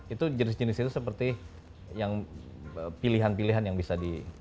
itu jenis jenis itu seperti yang pilihan pilihan yang bisa di